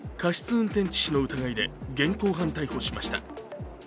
運転致死の疑いで現行犯逮捕しました。